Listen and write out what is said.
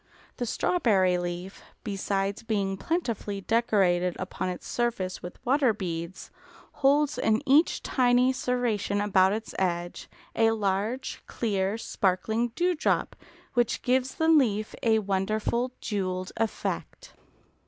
The strawberry leaf, besides being plentifully decorated upon its surface with water beads, holds in each tiny serration about its edge a large, clear, sparkling dewdrop, which gives the leaf a wonderful jewelled effect.